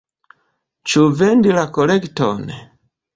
Ĉu vendi la kolekton?